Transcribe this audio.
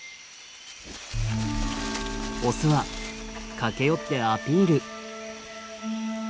オスは駆け寄ってアピール。